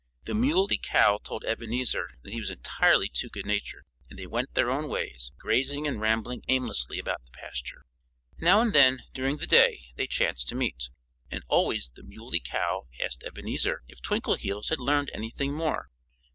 The Muley Cow told Ebenezer that he was entirely too good natured. And they went their own ways, grazing and rambling aimlessly about the pasture. Now and then, during the day, they chanced to meet. And always the Muley Cow asked Ebenezer if Twinkleheels had learned anything more.